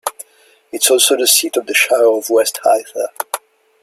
It is also the seat of the Shire of West Arthur.